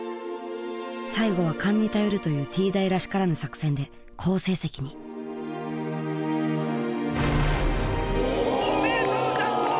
最後は勘に頼るというＴ大らしからぬ作戦で好成績に５メートルジャスト！